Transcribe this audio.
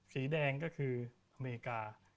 สีแดงก็คืออเมริกา